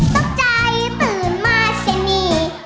ตกใจตื่นมาเสมี